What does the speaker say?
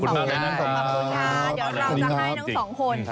เดี๋ยวเราจะให้สองคน